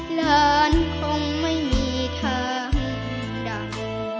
หลานคงไม่มีทางใด